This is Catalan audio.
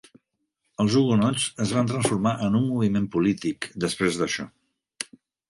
Els hugonots es van transformar en un moviment polític, després d'això.